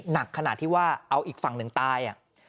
หนักขนาดที่ว่าเอาอีกฝั่งหนึ่งตาย